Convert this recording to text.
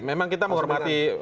memang kita menghormati